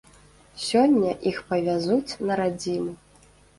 Сёння іх павязуць на радзіму.